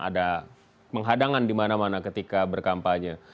ada penghadangan di mana mana ketika berkampanye